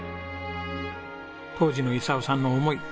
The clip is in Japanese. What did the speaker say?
当時の伊佐雄さんの思い